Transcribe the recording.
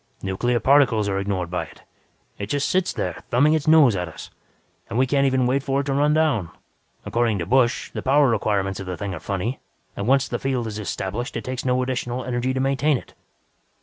Nuclear particles are ignored by it; it just sits there thumbing its nose at us. And we can't even wait for it to run down. According to Busch, the power requirements of the thing are funny and once the field is established, it takes no additional energy to maintain it.